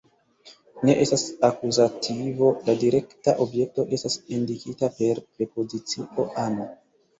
Ne estas akuzativo, la direkta objekto estas indikata per prepozicio "ano".